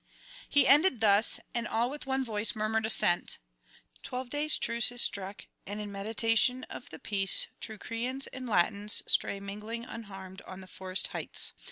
He ended thus, and all with one voice murmured assent. Twelve days' truce is struck, and in mediation of the peace Teucrians and Latins stray mingling unharmed on the forest heights.